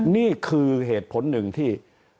นี่คือเหตุผลหนึ่งที่